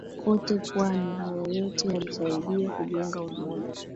kote pwani Haya yote yalisaidia kujenga umoja